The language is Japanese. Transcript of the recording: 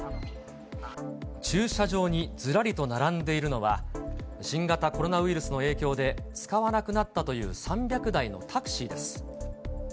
駐車場に、ずらりと並んでいるのは、新型コロナウイルスの影響で使わなくなったという３００台のタクシーです。